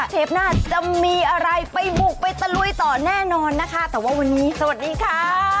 เชฟหน้าจะมีอะไรไปบุกไปตะลุยต่อแน่นอนนะคะแต่ว่าวันนี้สวัสดีค่ะ